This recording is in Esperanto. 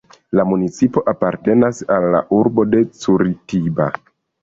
La municipo apartenas al urbaro de Curitiba.